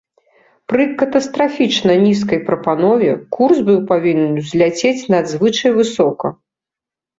Пры катастрафічна нізкай прапанове курс быў павінен узляцець надзвычай высока.